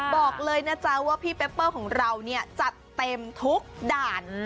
บอกเลยนะจ๊ะว่าพี่เปปเปอร์ของเราเนี่ยจัดเต็มทุกด่าน